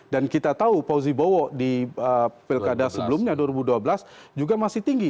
dan kita tahu pak uzi bowo di pekadah sebelumnya dua ribu dua belas juga masih tinggi